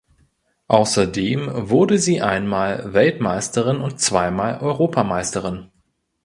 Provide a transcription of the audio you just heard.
Außerdem wurde sie einmal Weltmeisterin und zweimal Europameisterin.